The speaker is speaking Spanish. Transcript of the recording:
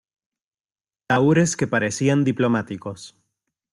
tahúres que parecían diplomáticos